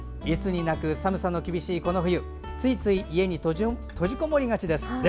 いつになく寒さの厳しいこの冬ついつい家に閉じこもりがちです。